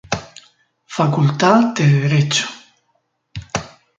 Facultad de Derecho.